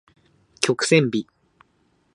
曲線美